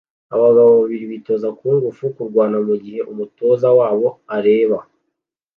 abagabo babiri bitoza kung fu kurwana mugihe umutoza wabo areba